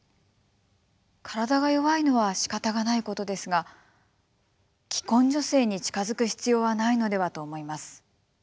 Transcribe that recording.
体が弱いのはしかたがないことですが既婚女性に近づく必要はないのではと思います。